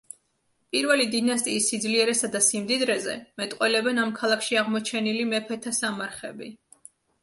პირველი დინასტიის სიძლიერესა და სიმდიდრეზე მეტყველებენ ამ ქალაქში აღმოჩენილი მეფეთა სამარხები.